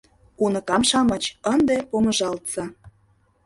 — Уныкам-шамыч, ынде помыжалтса!